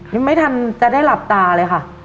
ยังไม่ทันจะได้หลับตาเลยค่ะ